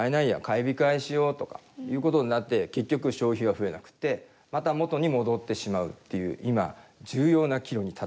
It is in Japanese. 買い控えしようとかいうことになって結局消費は増えなくてまた元に戻ってしまうっていう今重要な岐路に立っているというとこなんです。